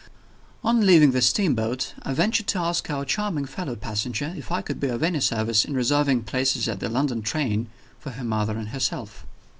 On leaving the steamboat, I ventured to ask our charming fellow passenger if I could be of any service in reserving places in the London train for her mother and herself.